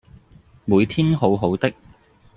每天好好的